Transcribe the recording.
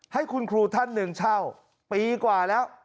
ให้คุณครูท่านหนึ่งเช่าปีกว่าแล้ว